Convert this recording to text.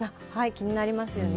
気になりますよね。